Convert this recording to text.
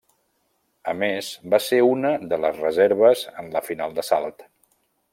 A més, va ser una de les reserves en la final de salt.